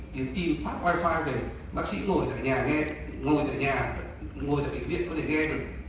điện tim phát wifi về bác sĩ ngồi tại nhà nghe ngồi tại nhà ngồi tại bệnh viện có thể nghe được